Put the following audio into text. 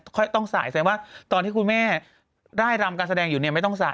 ค่อยต้องสายแสดงว่าตอนที่คุณแม่ร่ายรำการแสดงอยู่เนี่ยไม่ต้องสาย